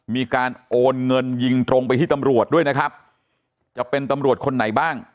มีการโอนเงินยิงตรงไปที่ตำรวจด้วยนะครับจะเป็นตำรวจคนไหนบ้าง